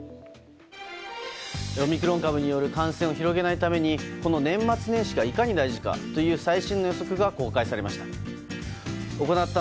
オミクロン株による感染を広げないために年末年始がいかに大事かという最新の予測が公開されました。